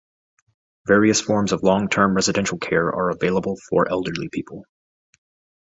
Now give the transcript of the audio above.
Various forms of long-term residential care are available for elderly people.